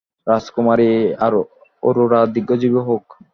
রাজকুমারী অরোরা দীর্ঘজীবী হোক।